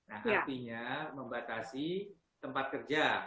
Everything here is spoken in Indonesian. artinya membatasi tempat kerja